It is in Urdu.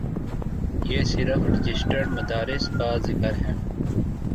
یہ صرف رجسٹرڈ مدارس کا ذکر ہے۔